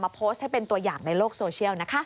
โพสต์ให้เป็นตัวอย่างในโลกโซเชียลนะคะ